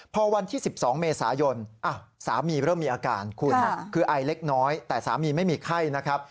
พอวันที่๑๒เมษายนสามีเริ่มมีอาการคุณคือไอเล็กน้อยแต่สามีไม่มีไข้นะครับ